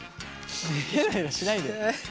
ヘラヘラしないで。